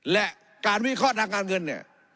และการวิเคราะห์ดังการเงิน